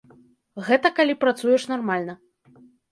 Гэта калі працуеш нармальна.